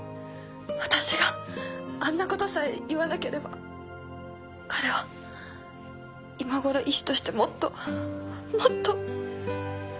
私があんなことさえ言わなければ彼は今ごろ医師としてもっともっと！